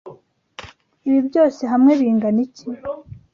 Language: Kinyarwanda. Ibi byose hamwe bingana iki?